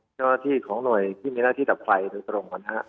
เจ้าที่ของหน่วยที่มีหน้าที่ดับไฟโดยตรงกันฮะ